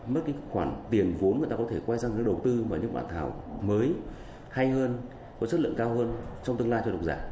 mất cái khoản tiền vốn người ta có thể quay sang đầu tư và những bản thảo mới hay hơn có chất lượng cao hơn trong tương lai cho độc giả